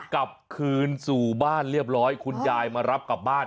กลับคืนสู่บ้านเรียบร้อยคุณยายมารับกลับบ้าน